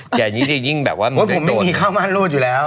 แกยิ่งแบบว่าโอ้ยผมไม่มีข้าวมั่นรูดอยู่แล้ว